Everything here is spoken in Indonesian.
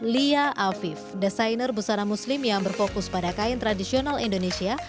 lia afif desainer busana muslim yang berfokus pada kain tradisional indonesia